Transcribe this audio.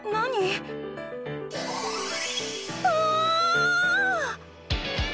うわ！